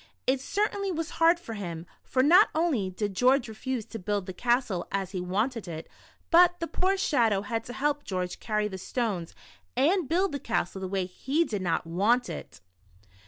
It certainly was hard for him, for not only did George refuse to build the castle as he wanted it, but the poor Shadow had to help George carry the stones and build the castle the way he did not want it.